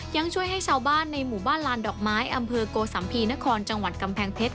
ยังช่วยให้ชาวบ้านในหมู่บ้านลานดอกไม้อำเภอโกสัมภีนครจังหวัดกำแพงเพชร